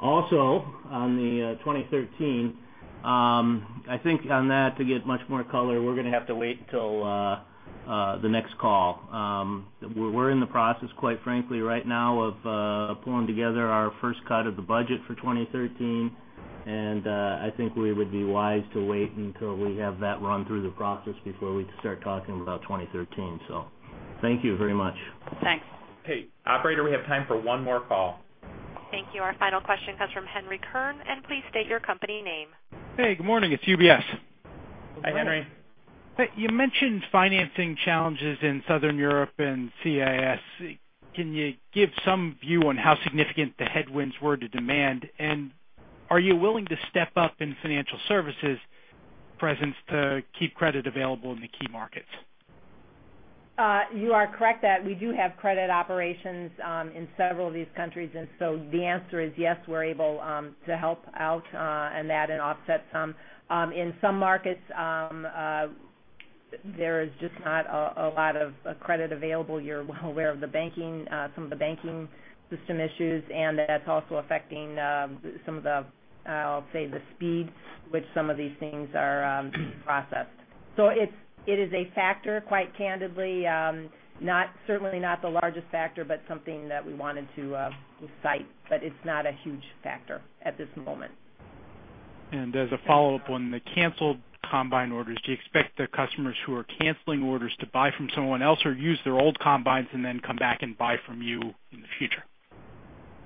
On the 2013, I think on that, to give much more color, we're going to have to wait until the next call. We're in the process, quite frankly, right now of pulling together our first cut of the budget for 2013, I think we would be wise to wait until we have that run through the process before we start talking about 2013. Thank you very much. Thanks. Hey, operator, we have time for one more call. Thank you. Our final question comes from Henry Kern, please state your company name. Hey, good morning. It's UBS. Hi, Henry. You mentioned financing challenges in Southern Europe and CIS. Can you give some view on how significant the headwinds were to demand? Are you willing to step up in financial services presence to keep credit available in the key markets? You are correct that we do have credit operations in several of these countries. The answer is yes, we're able to help out and offset some. In some markets, there is just not a lot of credit available. You're well aware of some of the banking system issues, and that's also affecting some of the, I'll say, the speed with some of these things are processed. It is a factor, quite candidly. Certainly not the largest factor, but something that we wanted to cite. It's not a huge factor at this moment. As a follow-up on the canceled Combine orders, do you expect the customers who are canceling orders to buy from someone else or use their old Combines and then come back and buy from you in the future?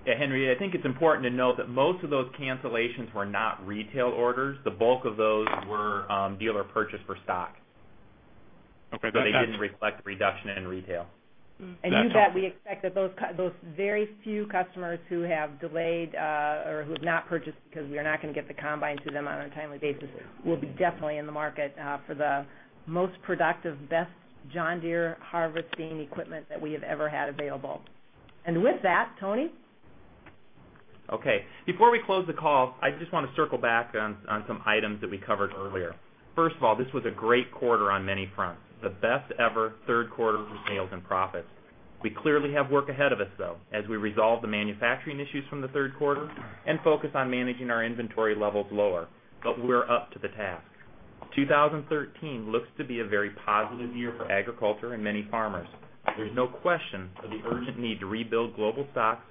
Yeah, Henry, I think it's important to note that most of those cancellations were not retail orders. The bulk of those were dealer purchase for stock. Okay. That makes sense. They didn't reflect reduction in retail. With that, we expect that those very few customers who have delayed or who have not purchased because we are not going to get the Combine to them on a timely basis will be definitely in the market for the most productive, best John Deere harvesting equipment that we have ever had available. With that, Tony? Okay. Before we close the call, I just want to circle back on some items that we covered earlier. First of all, this was a great quarter on many fronts. The best ever third quarter for sales and profits. We clearly have work ahead of us, though, as we resolve the manufacturing issues from the third quarter and focus on managing our inventory levels lower. We're up to the task. 2013 looks to be a very positive year for agriculture and many farmers. There's no question of the urgent need to rebuild global stocks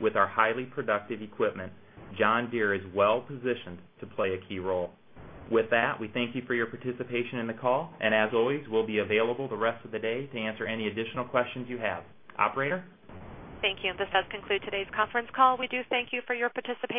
with our highly productive equipment. John Deere is well-positioned to play a key role. With that, we thank you for your participation in the call, and as always, we'll be available the rest of the day to answer any additional questions you have. Operator? Thank you. This does conclude today's conference call. We do thank you for your participation.